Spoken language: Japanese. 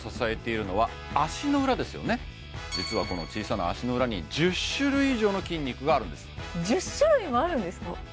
そうですよね実はこの小さな足の裏に１０種類以上の筋肉があるんです１０種類もあるんですか？